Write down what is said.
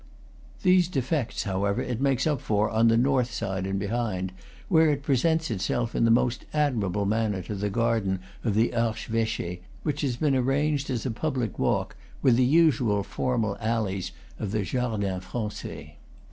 These defects, however, it makes up for on the north side and behind, where it presents itself in the most admirable manner to the garden of the Archeveche, which has been arranged as a public walk, with the usual formal alleys of the jardin francais.